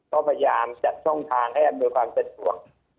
ก็พยายามจัดช่องทางให้อำนวยความสะดวก